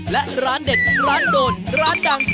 และร้านเด็ดร้านโดนร้านดัง